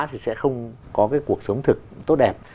thì sẽ không có cuộc sống thực tốt đẹp